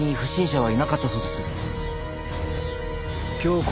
はい。